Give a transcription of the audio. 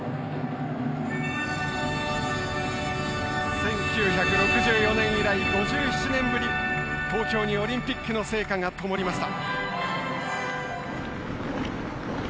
１９６４年以来、５７年ぶり、東京にオリンピックの聖火がともりました。